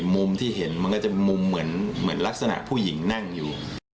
มุมที่เห็นมันก็จะเป็นมุมเหมือนลักษณะผู้หญิงนั่งอยู่